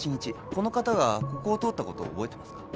この方がここを通ったことを覚えてますか？